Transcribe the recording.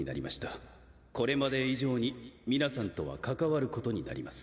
これまで以上に皆さんとは関わることになります。